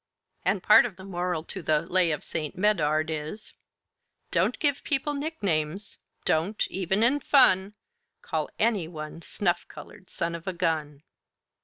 And part of the moral to the 'Lay of St. Medard' is "Don't give people nicknames! don't, even in fun, Call any one 'snuff colored son of a gun'!"